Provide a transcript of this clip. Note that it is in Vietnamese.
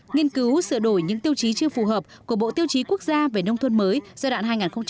nghiên cứu sửa đổi những tiêu chí chưa phù hợp của bộ tiêu chí quốc gia về nông thôn mới giai đoạn hai nghìn một mươi sáu hai nghìn hai mươi